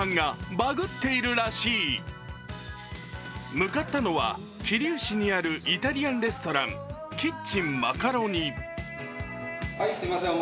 向かったのは、桐生市にあるイタリアンレストラン、キッチンマカロニ。